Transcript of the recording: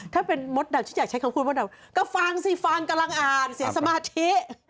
ถ้าเป็นมดดำฉันอยากใช้คำพูดมดดำก็ฟังสิฟังกำลังอ่านเสียสมาธิ